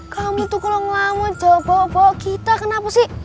kamu tuh kalau lamuan jawab bawa bawa kita kenapa sih